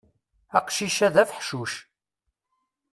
Aqcic-a d afeḥcuc.